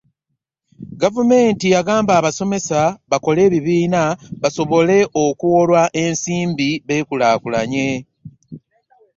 Gavumenti yagamba abasomesa bakole ebibiina basobole okubulwa ensimbi beekulaakulanye.